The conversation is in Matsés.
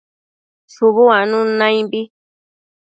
Shubu uanun naimbi